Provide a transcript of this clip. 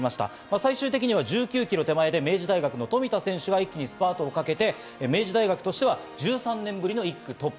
最終的に１９ｋｍ手前で明治大学・富田選手が一気にスパートをかけて、明治大学としては１３年ぶりの１区トップ。